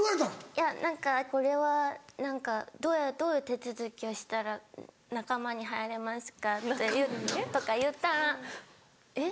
いや何かこれは何かどういう手続きをしたら仲間に入れますかとか言ったらえっ？